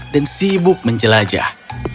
dan sibuk menjelajah